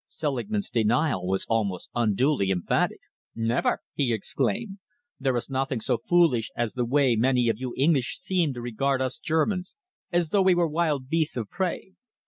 Selingman's denial was almost unduly emphatic. "Never!" he exclaimed. "There is nothing so foolish as the way many of you English seem to regard us Germans as though we were wild beasts of prey.